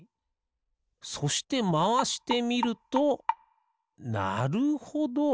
そしてまわしてみるとなるほど。